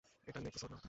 এটা নেক্রোসোর্ড নাকি?